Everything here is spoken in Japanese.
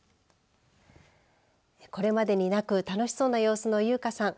これまでになく楽しそうな様子の邑果さん。